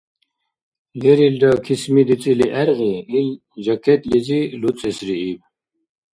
Лерилра кисми дицӀили гӀергъи, ил жакетлизи луцӀесрииб.